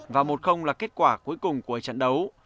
và một là kết quả cuối cùng của trận đấu